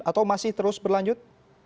atau masih terus berlanjut